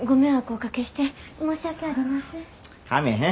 かめへん。